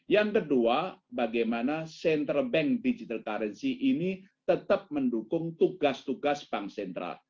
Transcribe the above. yang kedua bagaimana central bank digital currency ini tetap mendukung tugas tugas bank sentral